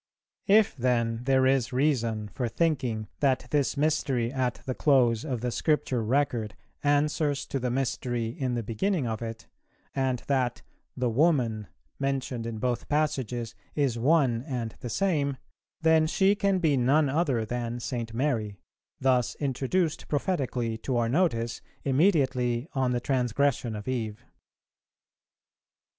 If then there is reason for thinking that this mystery at the close of the Scripture record answers to the mystery in the beginning of it, and that "the Woman" mentioned in both passages is one and the same, then she can be none other than St. Mary, thus introduced prophetically to our notice immediately on the transgression of Eve.